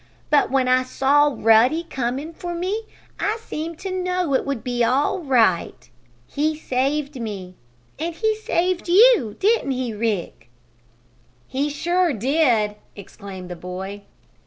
"But when I saw Ruddy coming for me I seemed to know it would be all right. He saved me and he saved you; didn't he, Rick?" "He sure did!" exclaimed the boy.